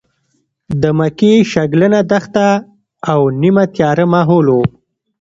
د مکې شګلنه دښته او نیمه تیاره ماحول و.